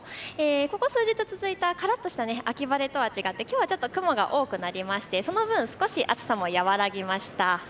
ここ数日続いたからっとした秋晴れとは違ってきょうは雲が多くなりましてその分、少し暑さも和らぎました。